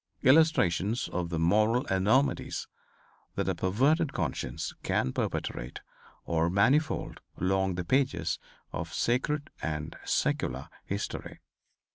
Illustrations of the moral enormities that a perverted conscience can perpetrate are manifold along the pages of sacred and secular history.